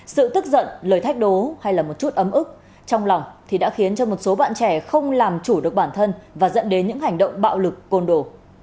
sự tức giận lời thách đố hay là một chút ấm ức trong lòng thì đã khiến cho một số bạn trẻ không làm chủ được bản thân và dẫn đến những hành động bạo lực côn đồ